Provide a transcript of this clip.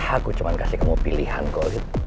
aku cuma kasih kamu pilihan gue